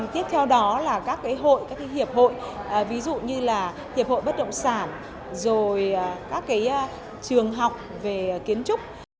tiếp theo đó là các cái hội các cái hiệp hội ví dụ như là hiệp hội bất động sản rồi các cái trường học về kiến trúc